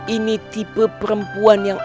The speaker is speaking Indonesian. ini tipe perempuan yang